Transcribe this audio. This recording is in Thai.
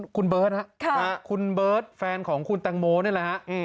คุณเบิร์ตครับคุณเบิร์ตแฟนของคุณแตงโมนี่แหละฮะ